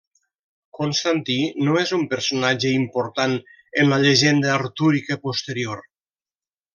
Constantí no és un personatge important en la llegenda artúrica posterior.